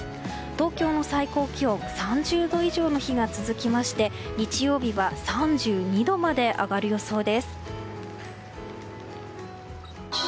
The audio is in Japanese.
東京の最高気温３０度以上の日が続きまして日曜日は３２度まで上がる予想です。